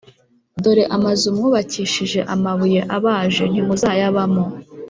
dore amazu mwubakishije amabuye abaje, ntimuzayabamo;